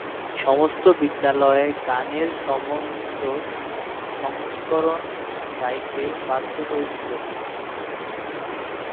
সমস্ত বিদ্যালয়ে গানের সমন্বিত সংস্করণ গাইতে বাধ্য হয়েছিল।